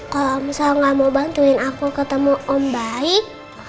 kalau misalnya nggak mau bantuin aku ketemu om baik